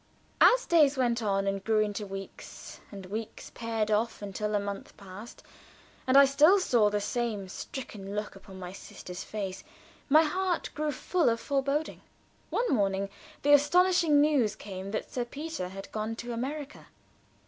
As days went on and grew into weeks, and weeks paired off until a month passed, and I still saw the same stricken look upon my sister's face, my heart grew full of foreboding. One morning the astonishing news came that Sir Peter had gone to America.